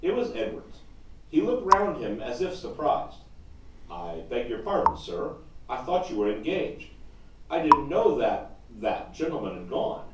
It was Edwards. He looked round him as if surprised. 'I beg your pardon, sir, I thought you were engaged. I didn't know that that gentleman had gone.